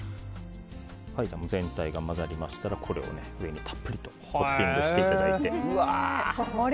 全体が混ざりましたらこれを上にたっぷりとトッピングしていただいて。